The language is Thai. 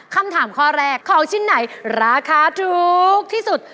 คำถามข้อแรกของชิ้นไหนราคาถูกที่สุด